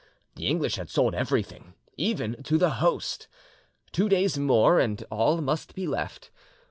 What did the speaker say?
The English had sold everything, even to the Host! Two days more, and all must be left.